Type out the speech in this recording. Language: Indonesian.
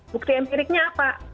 bukti empiriknya apa